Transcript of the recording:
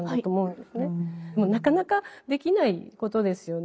でもなかなかできないことですよね。